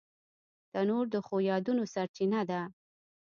تنور د ښو یادونو سرچینه ده